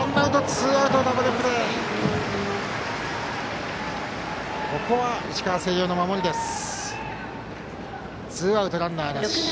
ツーアウト、ランナーなし。